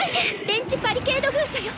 電磁バリケード封鎖よ！